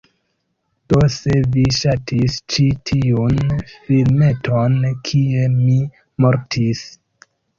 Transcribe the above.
Do, se vi ŝatis ĉi tiun filmeton kie mi mortis